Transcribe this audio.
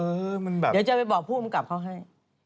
เดี๋ยวจะไปบอกผู้กำกับเขาให้